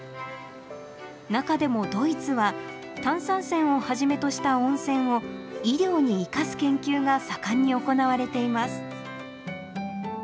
中でもドイツは炭酸泉をはじめとした温泉を医療に生かす研究が盛んに行われています